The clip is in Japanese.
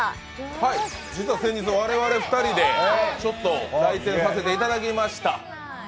実は先日、我々２人で来店させていただきました。